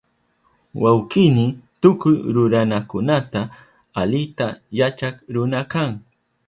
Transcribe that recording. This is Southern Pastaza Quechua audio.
Wawkini tukuy ruranakunata alita yachak runa kan